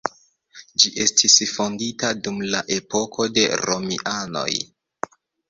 Ĝi estis fondita dum la epoko de romianoj.